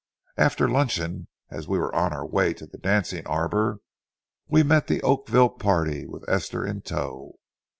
After luncheon, as we were on our way to the dancing arbor, we met the Oakville party with Esther in tow.